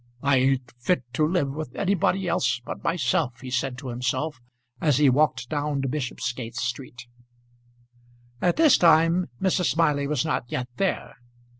"I ain't fit to live with anybody else but myself," he said to himself, as he walked down Bishopsgate Street. At this time Mrs. Smiley was not yet there.